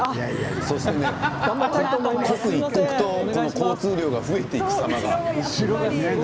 刻一刻と交通量が増えていく様が。